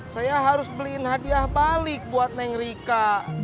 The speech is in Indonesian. saya harus beliin hadiah balik buat neng rika